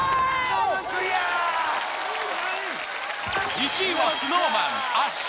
１位はＳｎｏｗＭａｎ圧勝。